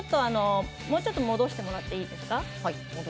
もうちょっと戻してもらっていいですか。